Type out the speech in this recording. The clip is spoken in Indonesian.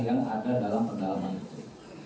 yang ada dalam pendalaman itu